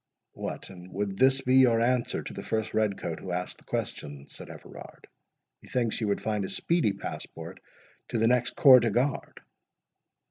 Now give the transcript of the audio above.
"What! and would this be your answer to the first red coat who asked the question?" said Everard. "Methinks you would find a speedy passport to the next corps de garde."